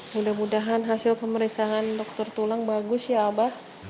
mudah mudahan hasil pemeriksaan dokter tulang bagus ya abah